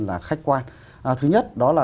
là khách quan thứ nhất đó là